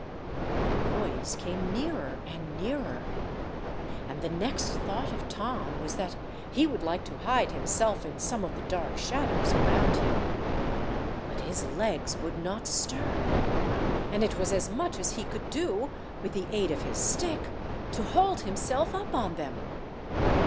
The noise came nearer and nearer, and the next thought of Tom was that he would like to hide himself in some of the dark shadows around him. But his legs would not stir, and it was as much as he could do, with the aid of his stick, to hold himself up on them.